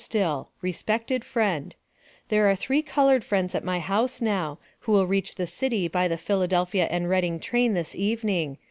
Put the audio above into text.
STILL: Respected Friend There are three colored friends at my house now, who will reach the city by the Phil. & Reading train this evening.